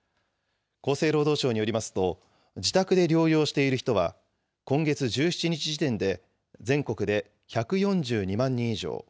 厚生労働省によりますと、自宅で療養している人は、今月１７日時点で全国で１４２万人以上。